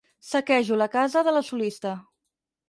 Saquejo la casa de la solista.